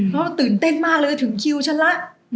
เพราะตื่นเต้นมากเลยถึงคิวฉันแล้ว